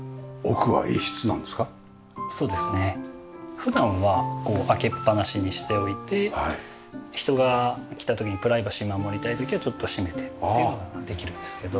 普段は開けっぱなしにしておいて人が来た時にプライバシー守りたい時はちょっと閉めてっていうのはできるんですけど。